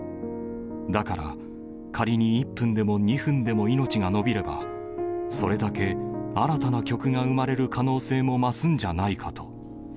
だから、仮に１分でも２分でも命が延びれば、それだけ新たな曲が生まれる可能性も増すんじゃないかと。